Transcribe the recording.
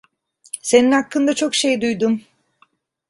Senin hakkında çok şey duydum.